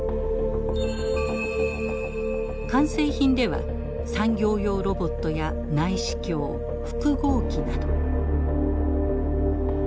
完成品では産業用ロボットや内視鏡複合機など。